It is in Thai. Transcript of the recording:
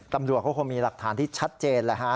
ตำรวจก็คงมีหลักฐานที่ชัดเจนแหละฮะ